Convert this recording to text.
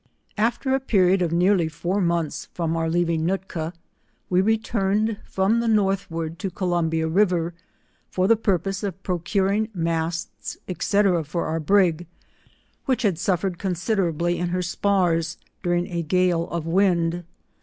After a period of nearly four months from oar leaving Nootka, we returned from the northward to Columbia river, for the purpose of procuring masts, &c. for oar brig, which had suffered consi 199 derably in her spars during a gale of wind.